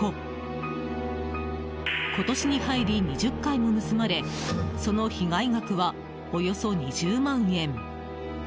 今年に入り２０回も盗まれその被害額は、およそ２０万円。